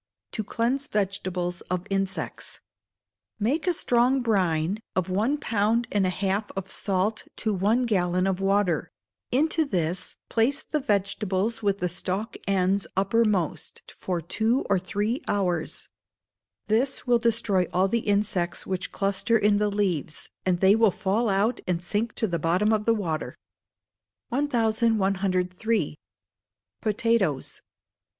To Cleanse Vegetables of Insects. Make a strong brine of one pound and a half of salt to one gallon of water; into this, place the vegetables with the stalk ends uppermost, for two or three hours: this will destroy all the insects which cluster in the leaves, and they will fall out and sink to the bottom of the water. 1103. Potatoes.